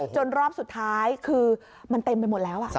รอบสุดท้ายคือมันเต็มไปหมดแล้ว